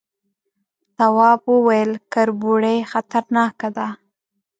تواب وويل، کربوړي خطرناکه دي.